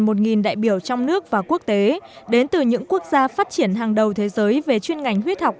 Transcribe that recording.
bác sĩ và quốc tế đến từ những quốc gia phát triển hàng đầu thế giới về chuyên ngành huyết học